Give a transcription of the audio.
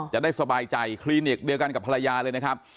จะได้สบายใจคลินิกเดียวกันกับภรรยาเลยนะครับ